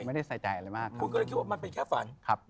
ไม่ได้ใส่ใจอะไรมากครับ